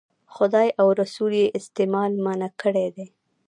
خدای او رسول یې استعمال منع کړی دی.